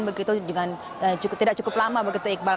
begitu tidak cukup lama begitu iqbal